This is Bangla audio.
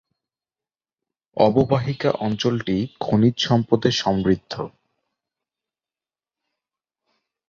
অববাহিকা অঞ্চলটি খনিজ সম্পদে সমৃদ্ধ।